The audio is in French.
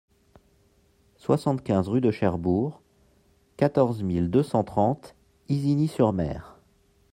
soixante-quinze rue de Cherbourg, quatorze mille deux cent trente Isigny-sur-Mer